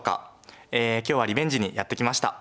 今日はリベンジにやってきました。